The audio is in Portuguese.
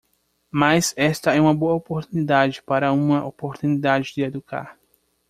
Mas esta é uma boa oportunidade para uma oportunidade de educar.